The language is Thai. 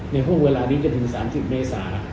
ห่วงเวลานี้จนถึง๓๐เมษา